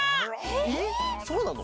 えっそうなの？